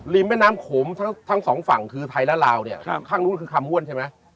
ลิมแม่น้ำโขมทั้ง๒ฝั่งคือไทยและราวข้างนู้นคือคำว้นใช่ไหม